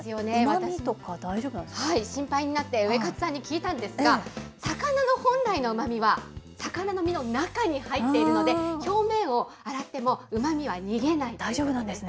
心配になって、ウエカツさんに聞いたんですが、魚の本来のうまみは、魚の身の中に入っているので、表面を洗ってもうまみは逃げないということなんです。